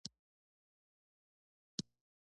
وروسته غلی شو.